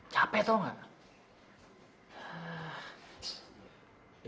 capek tau nggak